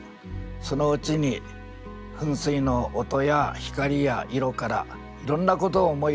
そのうちに噴水の音や光や色からいろんなことを思い出した。